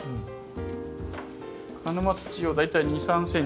鹿沼土を大体２３ｃｍ。